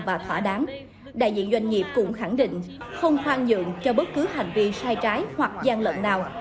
và thỏa đáng đại diện doanh nghiệp cũng khẳng định không khoan nhượng cho bất cứ hành vi sai trái hoặc gian lận nào